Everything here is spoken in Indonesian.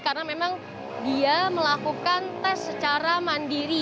karena memang dia melakukan tes secara mandiri